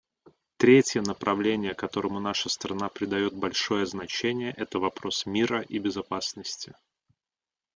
Третье направление, которому наша страна придает большое значение, — это вопрос мира и безопасности.